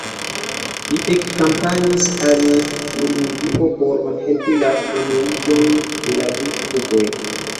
Li ekkampanjis al Turingio por malhelpi la unuiĝon de la du trupoj.